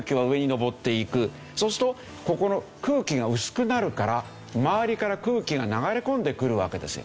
そうするとここの空気が薄くなるから周りから空気が流れ込んでくるわけですよ。